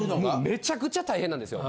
めちゃくちゃ大変なんですよ。